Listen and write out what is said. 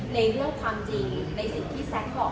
ในเรื่องความจริงในสิ่งที่แซคบอก